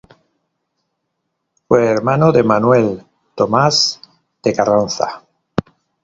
Fue hermano de Manuel Thomas de Carranza.